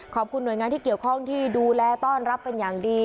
ขอบคุณหน่วยงานที่เกี่ยวข้องที่ดูแลต้อนรับเป็นอย่างดี